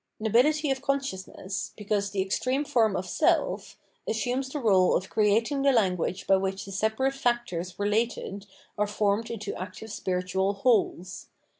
Nobility of consciousness, because the extreme form of self, assumes the rdle of creating the language by which the separate factors related are formed into active spiritual wholes.